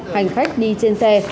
hành khách đi trên xe